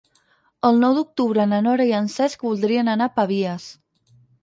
El nou d'octubre na Nora i en Cesc voldrien anar a Pavies.